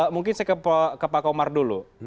mungkin saya ke pak komar dulu